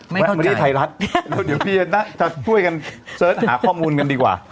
ไม่เข้าใจแล้วเดี๋ยวพี่จะช่วยกันเซิร์ชหาข้อมูลกันดีกว่า